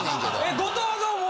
後藤はどう思う？